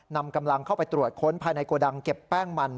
นำกำลังเข้าไปตรวจค้นภายในโกดังเก็บแป้งมัน